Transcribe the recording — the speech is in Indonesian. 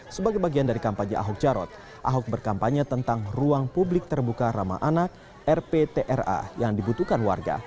sebagai bagian dari kampanye ahok jarot ahok berkampanye tentang ruang publik terbuka ramah anak rptra yang dibutuhkan warga